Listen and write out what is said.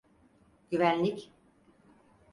Güvenlik.